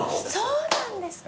そうなんですか？